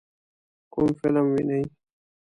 کوم فلم وینئ؟